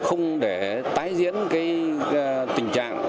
không để tái diễn cái chuyện này không để tái diễn cái chuyện này